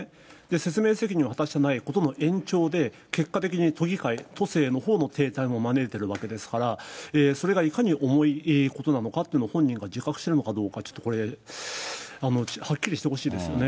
説明責任を果たしてないことの延長で、結果的に都議会、都政のほうの停滞も招いているわけですから、それがいかに重いことなのかって本人が自覚してるのかどうか、ちょっとこれ、はっきりしてほしいですよね。